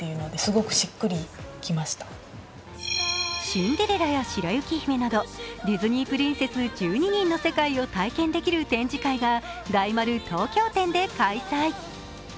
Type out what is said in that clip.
「シンデレラ」や「白雪姫」などディズニープリンセス１２人の世界を体験できる展示会が大丸東京店で開催。